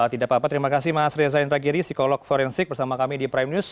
tidak apa apa terima kasih mas reza inrakiri psikolog forensik bersama kami di prime news